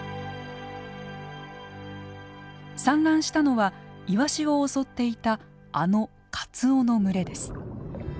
産卵したのはイワシを襲っていたあのカツオの群れです。